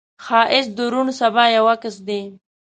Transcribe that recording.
ښایست د روڼ سبا یو عکس دی